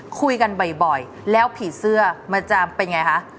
คุยกันบ่อยแล้วผีเสื้อมันจะเป็นไงคะ